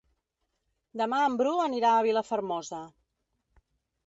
Demà en Bru anirà a Vilafermosa.